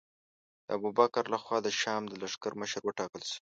د ابوبکر له خوا د شام د لښکر مشر وټاکل شو.